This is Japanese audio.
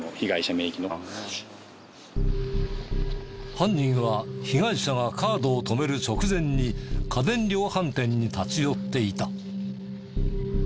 犯人は被害者がカードを止める直前に家電量販店に立ち寄っていた。